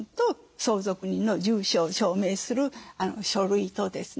相続人の住所を証明する書類とですね